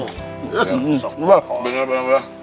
sok lupa benar benar bah